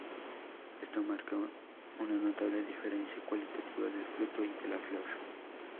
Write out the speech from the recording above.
Esto marca una notable diferencia cualitativa del fruto y de la flor.